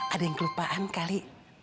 ada yang kelupaan kali